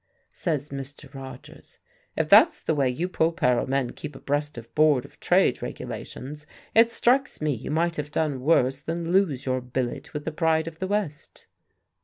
Says Mr. Rogers, "If that's the way you Polperro men keep abreast of Board of Trade regulations, it strikes me you might have done worse than lose your billet with the Pride of the West."